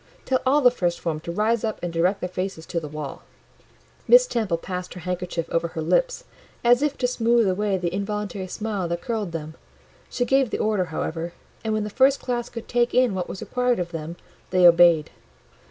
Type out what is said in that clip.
Tell all the first form to rise up and direct their faces to the wall." Miss Temple passed her handkerchief over her lips, as if to smooth away the involuntary smile that curled them; she gave the order, however, and when the first class could take in what was required of them, they obeyed.